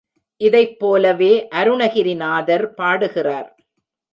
இதைப் போலவே அருணகிரிநாதர் பாடுகிறார்.